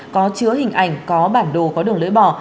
có chứa hình ảnh có bản đồ có đường lưỡi bò